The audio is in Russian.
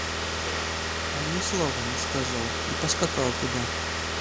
Он ни слова не сказал и поскакал туда.